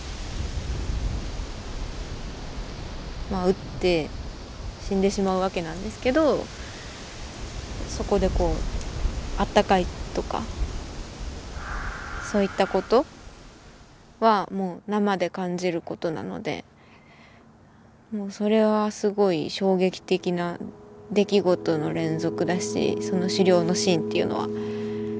まあ撃って死んでしまうわけなんですけどそこでこうあったかいとかそういったことはもう生で感じることなのでもうそれはすごい衝撃的な出来事の連続だしその狩猟のシーンっていうのは。